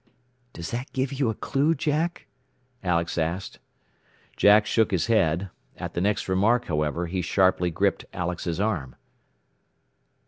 "Does that give you a clue, Jack?" Alex asked. Jack shook his head. At the next remark, however, he sharply gripped Alex's arm.